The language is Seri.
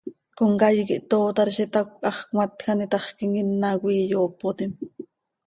Comcaii quih tootar z itacö, hax cmatj an itaxquim, ina coi iyoopotim.